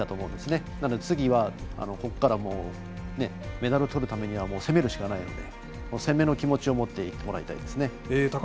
なので次はここからメダルをとるためには攻めるしかないので攻めの気持ちを持っていってもらいたいですね。